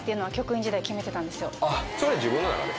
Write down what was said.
それ自分の中で？